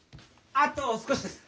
あと少しです。